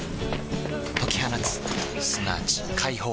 解き放つすなわち解放